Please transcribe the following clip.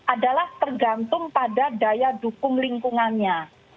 adalah tergantung pada daya dukung lingkungannya